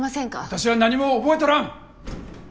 私は何も覚えとらん！